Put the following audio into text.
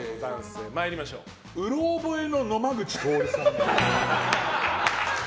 うろ覚えの野間口徹さん。